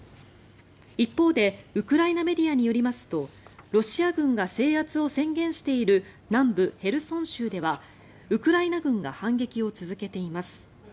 一方でウクライナメディアによりますとロシア軍が制圧を宣言している南部ヘルソン州ではウクライナ軍が反撃を続けています。